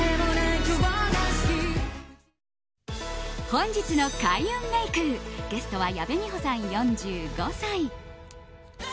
本日の開運メイクゲストは矢部美穂さん、４５歳。